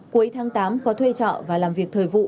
cuối tháng tám có thuê trọ và làm việc thời vụ